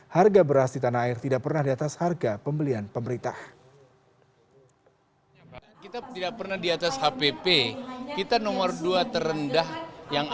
harga beras di tanah air tidak pernah diatakan